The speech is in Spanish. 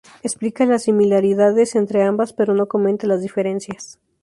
Explica las similaridades entre ambas pero no comenta las diferencias.